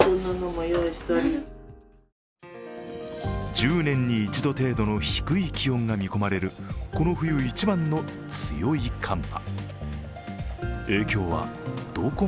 １０年に一度程度の低い気温が見込まれるこの冬一番の強い寒波。